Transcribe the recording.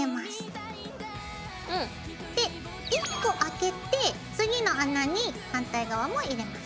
１個あけて次の穴に反対側も入れます。